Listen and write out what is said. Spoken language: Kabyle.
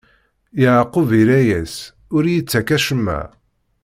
Yeɛqub irra-yas: Ur iyi-ttak acemma.